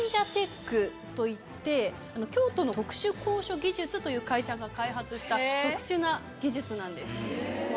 といって京都の特殊高所技術という会社が開発した特殊な技術なんです。